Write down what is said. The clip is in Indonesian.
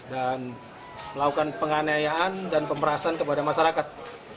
dan melakukan penganiayaan dan pemerahasan kepada masyarakat